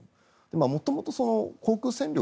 元々、航空戦力